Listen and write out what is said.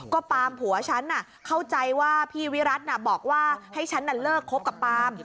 ก็ปามผัวฉันเข้าใจว่าพี่วิรัติบอกว่าให้ฉันเลิกคบกับปาล์ม